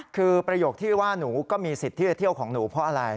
คือประโยคที่ว่าหนูก็มีสิทธิ์ที่จะเที่ยวของหนูเพราะอะไร